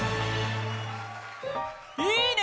いいね！